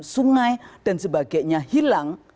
sungai dan sebagainya hilang